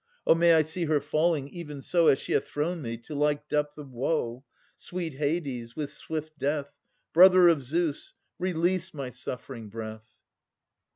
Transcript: O may I see her falling, even so As she hath thrown me, to like depth of woe! Sweet Hades, with swift death, Brother of Zeus, release my suffering breath!